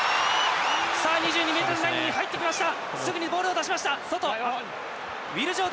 ２２ｍラインに入ってきた。